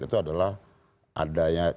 itu adalah adanya